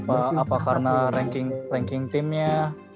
apa karena ranking team nya